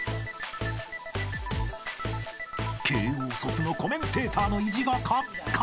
［慶應卒のコメンテーターの意地が勝つか？］